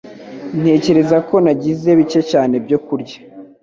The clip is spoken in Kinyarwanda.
Ntekereza ko nagize bike cyane byo kurya.